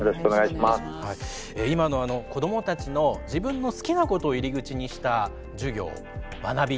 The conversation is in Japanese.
今の子どもたちの自分の好きなことを入り口にした授業学び